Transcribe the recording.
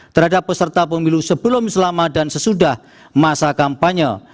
terhadap peserta pemilu sebelum selama dan sesudah masa kampanye